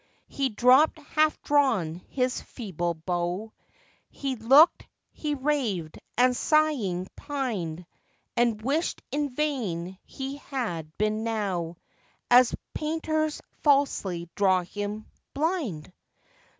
He dropp'd half drawn his feeble bow, He look'd, he raved, and sighing pined; And wish'd in vain he had been now, As painters falsely draw him, blind.